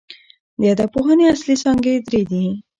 د ادبپوهني اصلي څانګي درې دي.